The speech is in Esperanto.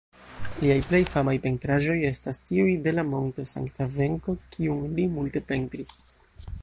Liaj plej famaj pentraĵoj estas tiuj de la monto Sankta-Venko kiun li multe pentris.